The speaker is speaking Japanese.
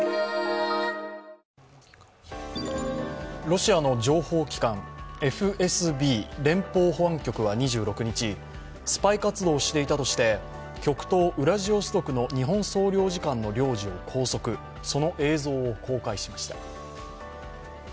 ロシアの情報機関ＦＳＢ＝連邦保安局は２６日スパイ活動をしていたとして極東ウラジオストクの日本総領事館の領事を拘束、その映像を公開しました。